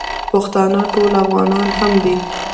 پښتانه ټول افغانان هم دي.